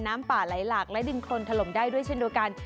น้ำป่าไหลหลากและดินโครนถล่มได้ด้วยเช่นเดียวกัน